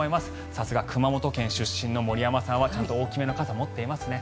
さすが熊本県出身の森山さんはちゃんと大きめの傘を持っていますね。